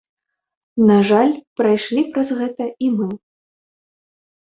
На жаль, прайшлі праз гэта і мы.